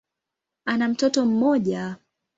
Ana mtoto mmoja.